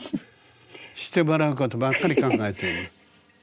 してもらうことばっかり考えてるの。